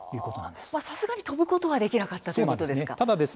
さすがに飛ぶことはできなかったということですか。